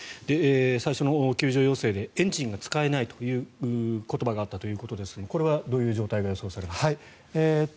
最初の救助要請でエンジンが使えないという言葉があったようですがこれはどういう状態が予想されますか。